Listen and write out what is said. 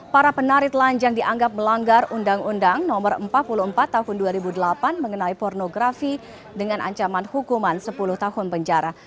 para penari telanjang dianggap melanggar undang undang no empat puluh empat tahun dua ribu delapan mengenai pornografi dengan ancaman hukuman sepuluh tahun penjara